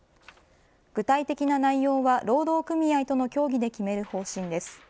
具体的な内容は、労働組合との協議で決める方針です。